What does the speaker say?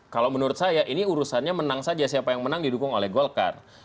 kalau menurut saya ini urusannya menang saja siapa yang menang didukung oleh golkar